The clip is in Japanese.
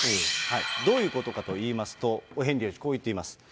どういうことかと言いますと、ヘンリー王子、こう言っています。